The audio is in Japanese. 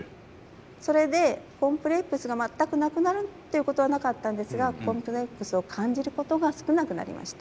それでコンプレックスが全くなくなるということはなかったんですがコンプレックスを感じることが少なくなりました。